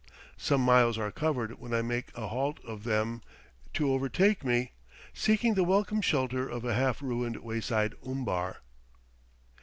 Some miles are covered when I make a halt for them to overtake me, seeking the welcome shelter of a half ruined wayside umbar.